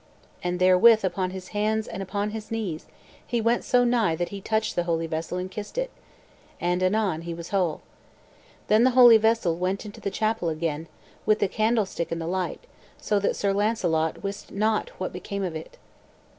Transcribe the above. And therewith, upon his hands and upon his knees, he went so nigh that he touched the holy vessel and kissed it. And anon he was whole. Then the holy vessel went into the chapel again, with the candlestick and the light, so that Sir Launcelot wist not what became of it.